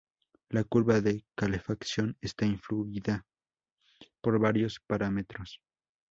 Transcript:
La curva de calefacción está influida por varios parámetros.